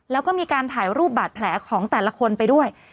แล้วก็มีการถ่ายรูปบาดแผลของแต่ละคนไปด้วย